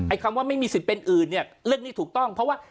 คำว่าไม่มีสิทธิ์เป็นอื่นเนี่ยเรื่องนี้ถูกต้องเพราะว่า